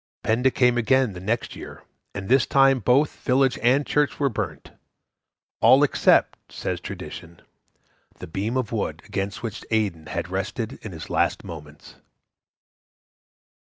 Penda came again the next year, and this time both village and church were burnt, all except, says tradition, the beam of wood against which Aidan had rested in his last moments.